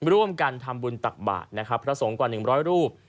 ร่วมกันทำบุญตักบาทนะครับพระสงกว่าหนึ่งบร้อยรูป